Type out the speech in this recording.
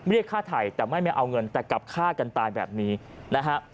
เรียกค่าไถ่แต่ไม่ไม่เอาเงินแต่กลับฆ่ากันตายแบบนี้นะฮะ